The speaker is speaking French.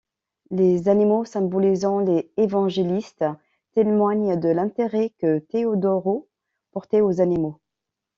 Les animaux symbolisant les évangélistes témoignent de l'intérêt que Teodoro portait aux animaux.